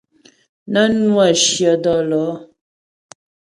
Nə́ nwə́ shyə dɔ́lɔ̌.